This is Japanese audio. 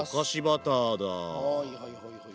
はいはいはいはい。